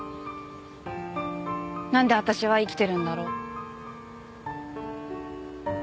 なんで私は生きてるんだろう。